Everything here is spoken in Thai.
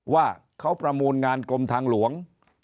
ว่าเขาประมูลงานกรมทางหลวง